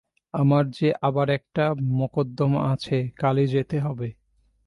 আমার যে আবার একটা মকদ্দমা আছে, কালই যেতে হবে।